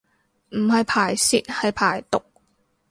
唔係排泄係排毒